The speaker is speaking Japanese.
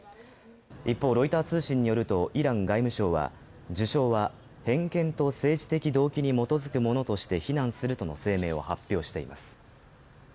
一方、ロイター通信によるとイラン外務省は授賞は偏見と政治的動機に基づくものとして非難するとの声明を発表しています。